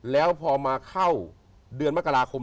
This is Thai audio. แล้วพอมาเข้าเดือนมกราคม